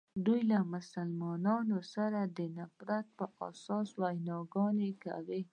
دوی له مسلمانانو څخه د نفرت په اساس ویناګانې کوي.